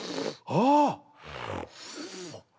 ああ！